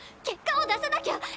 結果を出さなきゃ！